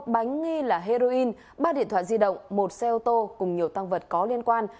một bánh nghi là heroin ba điện thoại di động một xe ô tô cùng nhiều tăng vật có liên quan